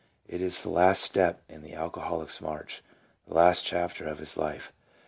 It is the last step in the alcoholic's march, the last chapter of his life, to which 1 A.